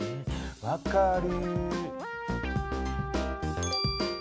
分かる。